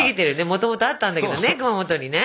もともとあったんだけどね熊本にね。